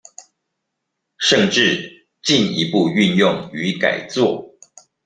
甚至進一步運用與改作